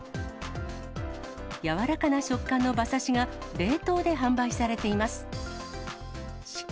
柔らかな食感の馬刺しが、冷凍で販売されています。